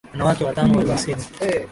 Wanawake watano waliwasili.